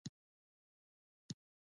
ورور ته د زړګي احوال وایې.